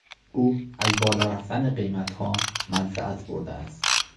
او از بالارفتن قیمتها منفعت برده است.